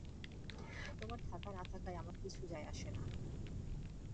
তোমার থাকা না থাকায় আমার কিছু যায় আসে না।